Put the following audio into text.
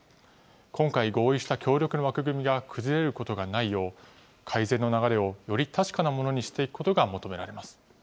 今回合意した協力の枠組みが崩れることがないよう、改善の流れをより確かなものにしていくことが求められます。